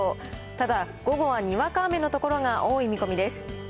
ただ、午後はにわか雨の所が多い見込みです。